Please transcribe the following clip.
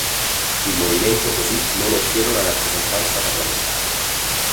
Il movimento, così, non ottiene una rappresentanza parlamentare.